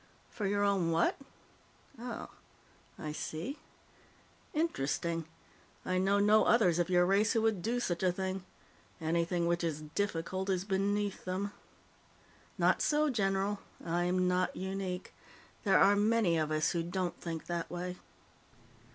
"For your own what? Oh. I see. Interesting. I know no others of your race who would do such a thing. Anything which is difficult is beneath them." "Not so, general. I'm not unique. There are many of us who don't think that way."